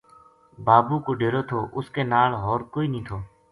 بابو کو ڈیرو تھو اس کے نال ہور کوئی نیہہ تھو